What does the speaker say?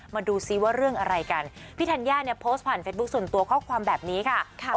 มาดูซิว่าเรื่องอะไรกันพี่ธัญญาเนี่ยโพสต์ผ่านเฟซบุ๊คส่วนตัวข้อความแบบนี้ค่ะ